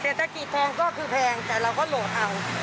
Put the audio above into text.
เศรษฐกิจทองก็คือแพงแต่เราก็โหลดเอา